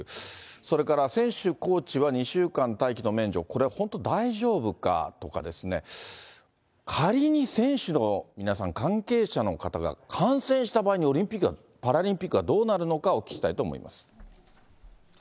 それから選手、コーチは２週間待機の免除、これ本当に大丈夫かとかですね、仮に選手の皆さん、関係者の方が感染した場合に、オリンピックやパラリンピックはどうなるのかを聞きたいと思いま